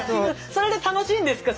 それで楽しいんですか？